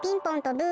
ブー！